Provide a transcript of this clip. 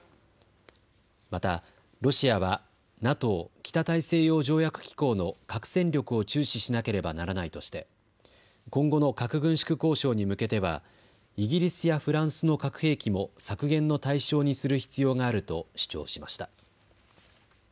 またロシアはＮＡＴＯ・北大西洋条約機構の核戦力を注視しなければならないとして今後の核軍縮交渉に向けてはイギリスやフランスの核兵器も削減の対象にする必要があると主張しました。